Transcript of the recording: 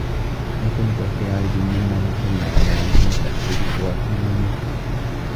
إِنْ كُنْتُمْ فِي رَيْبٍ مِمَّا نَزَّلْنَا عَلَىٰ عَبْدِنَا فَأْتُوا بِسُورَةٍ مِنْ مِثْلِهِ